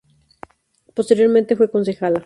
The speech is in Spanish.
Posteriormente fue concejala.